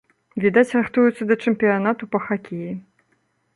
Відаць, рыхтуюцца да чэмпіянату па хакеі.